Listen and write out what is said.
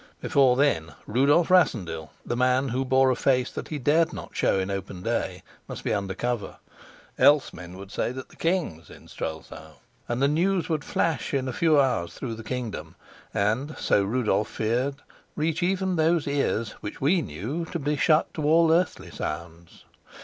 Before then Rudolf Rassendyll, the man who bore a face that he dared not show in open day, must be under cover; else men would say that the king was in Strelsau, and the news would flash in a few hours through the kingdom and (so Rudolf feared) reach even those ears which we knew to be shut to all earthly sounds.